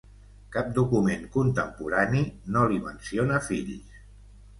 Cap document contemporani no li menciona fills.